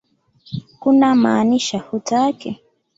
Kuna maanisha hutaki?